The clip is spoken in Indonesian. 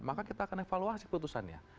maka kita akan evaluasi putusannya